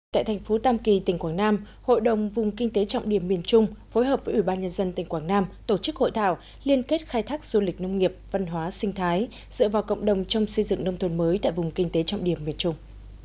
tại thành phố tam kỳ tỉnh quảng nam hội đồng vùng kinh tế trọng điểm miền trung phối hợp với ủy ban nhân dân tỉnh quảng nam tổ chức hội thảo liên kết khai thác du lịch nông nghiệp văn hóa sinh thái dựa vào cộng đồng trong xây dựng nông thôn mới tại vùng kinh tế trọng điểm miền trung